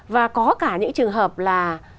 và có cả những trường hợp là